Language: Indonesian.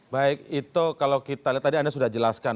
baik itu kalau kita lihat tadi anda sudah jelaskan